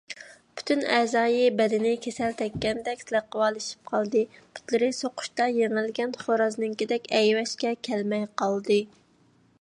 پۈتۈن ئەزايى - بەدىنى كېسەل تەگكەندەك لەقۋالىشىپ قالدى، پۇتلىرى سوقۇشتا يېڭىلگەن خورازنىڭكىدەك ئەيۋەشكە كەلمەي قالدى.